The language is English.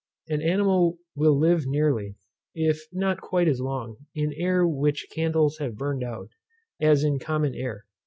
An animal will live nearly, if not quite as long, in air in which candles have burned out, as in common air.